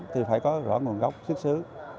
thì phải có rõ nguồn gốc xuất xứ